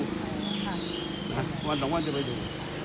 วันสองวันจะไปดู